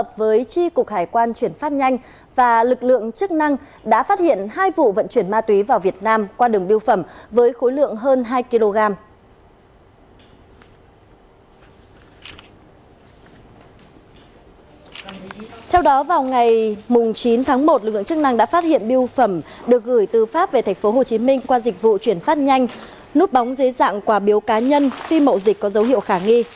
theo đó vào ngày chín tháng một lực lượng chức năng đã phát hiện biêu phẩm được gửi từ pháp về tp hcm qua dịch vụ chuyển phát nhanh núp bóng dưới dạng quà biếu cá nhân phi mậu dịch có dấu hiệu khả nghi